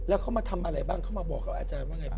แล้วเขามาทำอะไรบ้างเขามาบอกกับอาจารย์ว่าไงบ้าง